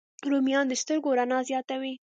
رومیان د سترګو رڼا زیاتوي